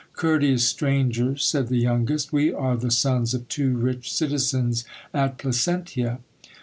Courteous stranger, said the youngest, we are the sons of two rich citizens at Placentia.